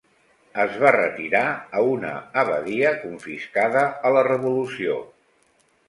Es va retirar a una abadia confiscada a la Revolució.